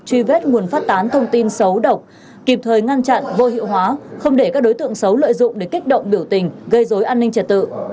truy vết nguồn phát tán thông tin xấu độc kịp thời ngăn chặn vô hiệu hóa không để các đối tượng xấu lợi dụng để kích động biểu tình gây dối an ninh trật tự